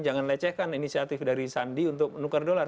jangan lecehkan inisiatif dari sandi untuk menukar dolar